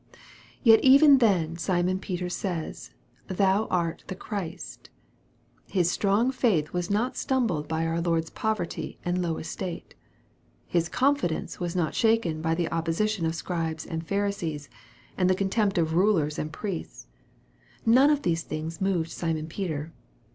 Yet even then Simon Peter says, " Thou art the Christ." His strong faith was not stumbled by our Lord's poverty and low estate. His confidence was not shaken by the opposition of Scribes and Pharisees, and the contempt of rulers and priests. None of these things moved Simon Peter.